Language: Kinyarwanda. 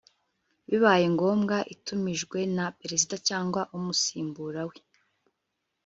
bibaye ngombwa itumijwe na perezida cyangwa umusimbura we